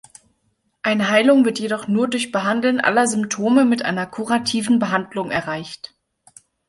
Eine Heilung wird jedoch nur durch Behandeln aller Symptome mit einer kurativen Behandlung erreicht.